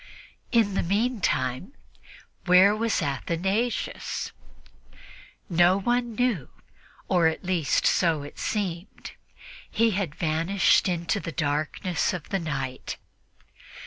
In the meantime, where was Athanasius? No one knew or, at least, so it seemed. He had vanished into the darkness of the night.